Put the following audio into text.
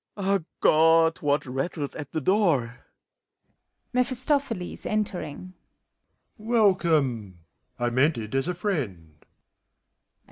Ah, God! what rattles at the doorf MEPHISTOPHELES ( entering) . Welcome ! I mean it as a friend.